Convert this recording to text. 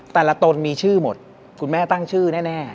ตนมีชื่อหมดคุณแม่ตั้งชื่อแน่